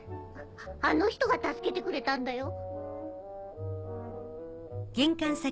あの人が助けてくれたんだよ。